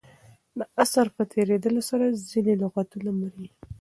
د عصر په تېرېدلو سره ځیني لغتونه مري.